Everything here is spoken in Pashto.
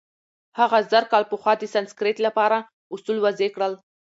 هغه زرکال پخوا د سانسکریت له پاره اوصول وضع کړل.